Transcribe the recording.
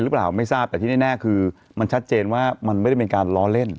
หรือเปล่าไม่ทราบแต่ที่แน่คือมันชัดเจนว่ามันไม่ได้เป็นการล้อเล่น